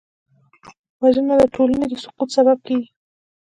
وژنه د ټولنې د سقوط سبب کېږي